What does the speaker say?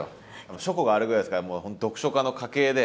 書庫があるぐらいですから読書家の家系で。